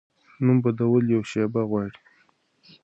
نوم بدول یوه شیبه غواړي.